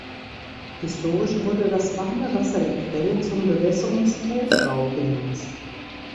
Historisch wurde das warme Wasser der Quelle zum Bewässerungsfeldbau genutzt.